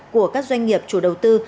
của các doanh nghiệp chủ đầu tư